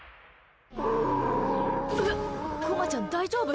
えっ、こまちゃん大丈夫？